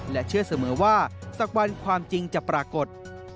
และเชื่อเสมอว่าสักวันความจริงจะปรากฏ